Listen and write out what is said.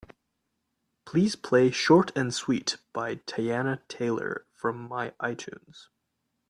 Please play Short And Sweet by Teyana Taylor from my itunes.